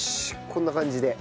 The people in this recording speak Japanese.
こんな感じで。